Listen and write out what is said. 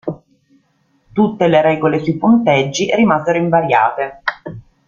Tutte le regole sui punteggi rimasero invariate.